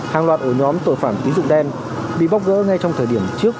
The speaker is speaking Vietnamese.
hàng loạt ổ nhóm tội phạm tiến dụng đèn bị bóc gỡ ngay trong thời điểm trước